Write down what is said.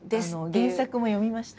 原作も読みました。